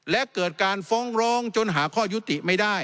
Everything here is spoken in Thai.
และเกิดการฟ้องร้องจนหาข้อยุติไม่ได้